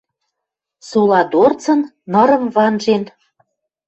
Сола дорцын, нырым ванжен